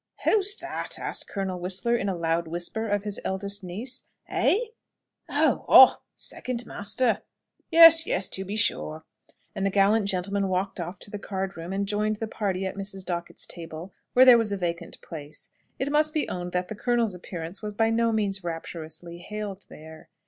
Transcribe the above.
"Who's that?" asked Colonel Whistler, in a loud whisper, of his eldest niece. "Eh? oh! ah! second master yes, yes, yes; to be sure!" And the gallant gentleman walked off to the card room, and joined the party at Mrs. Dockett's table, where there was a vacant place. It must be owned that the colonel's appearance was by no means rapturously hailed there.